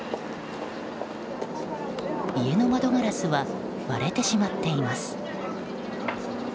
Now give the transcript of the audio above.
家の窓ガラスは割れてしまっています。